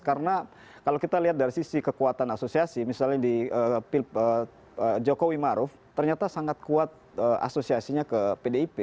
karena kalau kita lihat dari sisi kekuatan asosiasi misalnya di jokowi maruf ternyata sangat kuat asosiasinya ke pdip